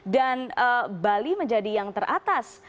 dan bali menjadi yang teratas